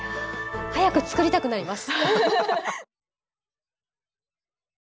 早く作りたくなります！